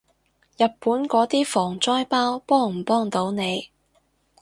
日本嗰啲防災包幫唔幫到你？